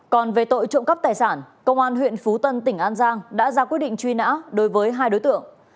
còn về tội trộm cắp tài sản công an huyện phú tân tỉnh an giang đã ra quyết định truy nã đối với hai đối tượng